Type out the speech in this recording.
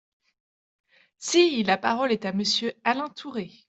Si ! La parole est à Monsieur Alain Tourret.